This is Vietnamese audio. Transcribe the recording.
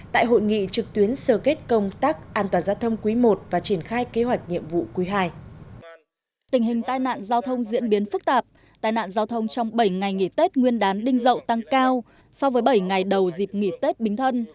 tình hình tai nạn giao thông diễn biến phức tạp tai nạn giao thông trong bảy ngày nghỉ tết nguyên đán đinh dậu tăng cao so với bảy ngày đầu dịp nghỉ tết bính thân